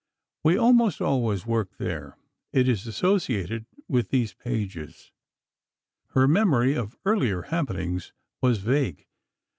We almost always worked there. It is associated with these pages. Her memory of earlier happenings was vague.